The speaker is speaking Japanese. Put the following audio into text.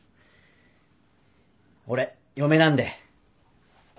俺嫁なんで。